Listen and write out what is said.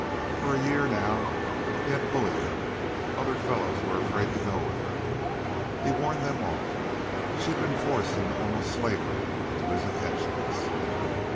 For a year, now, he had bullied her. Other fellows were afraid to go with her. He warned them off. She had been forced into almost slavery to his attentions.